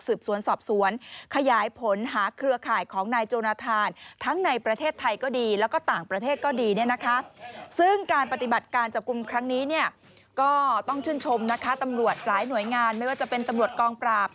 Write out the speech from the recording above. จอคว่าอยู่ระหว่างสืบสวนสอบสวนขยายผลหาเครือข่ายของนายโจนาทาน